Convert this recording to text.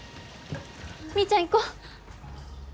みーちゃん行こ。